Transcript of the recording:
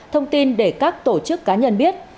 thông tin để các tổ chức cá nhân biết